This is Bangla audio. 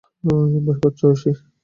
ভয় করছে, এলী?